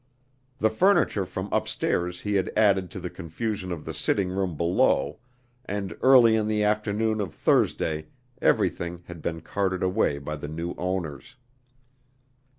The furniture from upstairs he had added to the confusion of the sitting room below, and early in the afternoon of Thursday everything had been carted away by the new owners.